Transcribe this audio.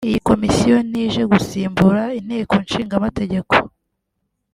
iyi Komisiyo ntije gusimbura Inteko Ishinga Amategeko